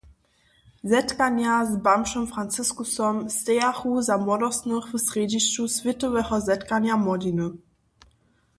Zetkanja z bamžom Franciskusom stejachu za młodostnych w srjedźišću swětoweho zetkanja młodźiny.